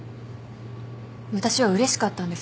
私はうれしかったんです。